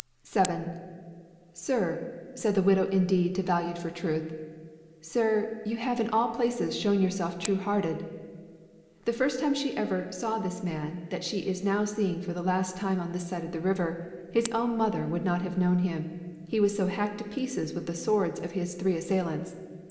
7. "Sir," said the widow indeed to Valiant for truth, "sir, you have in all places shown yourself true hearted." The first time she ever saw this man that she is now seeing for the last time on this side the river, his own mother would not have known him, he was so hacked to pieces with the swords of his three assailants.